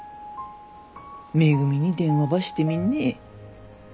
めぐみに電話ばしてみんね？